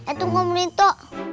eh tunggu menit to